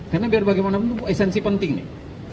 karena biar bagaimanapun itu esensi penting nih